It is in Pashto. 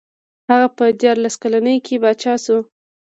هغه په دیارلس کلنۍ کې پاچا شو.